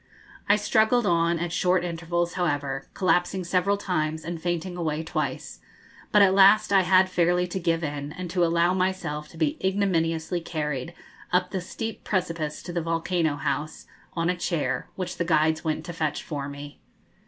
I struggled on at short intervals, however, collapsing several times and fainting away twice; but at last I had fairly to give in, and to allow myself to be ignominiously carried up the steep precipice to the 'Volcano House' on a chair, which the guides went to fetch for me.